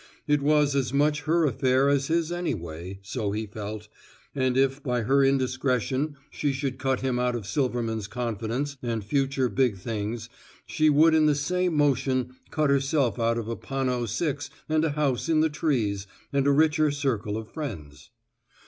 It was as much her affair as his anyway, so he felt, and if by her indiscretion she should cut him out of Silverman's confidence and future big things, she would in the same motion cut herself out of a Panno Six and a house in the trees and a richer circle of friends.